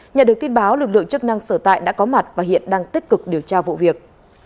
nhận được tin báo lực lượng chức năng sở tại đã có mặt và hiện đang tích cực điều tra vụ việc